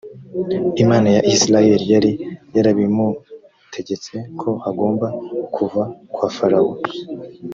imana ya isirayeli yari yarabimutegetse ko agomba kuva kwa farawo